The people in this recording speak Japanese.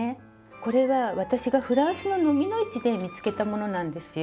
これは私がフランスの蚤の市で見つけたものなんですよ。